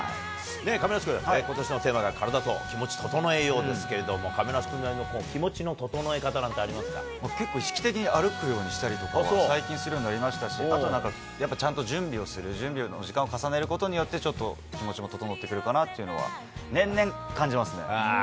亀梨君、ことしのテーマがカラダとキモチ、整えようですけれども、亀梨君な結構意識的に歩くようにしたりとかは、最近、するようになりましたし、あとちゃんと準備をする、準備の時間を重ねることによって、気持ちも整ってくるかなっていうのは、年々感じますね。